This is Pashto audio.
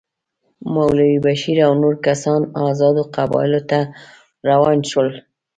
مولوي بشیر او نور کسان آزادو قبایلو ته روان شول.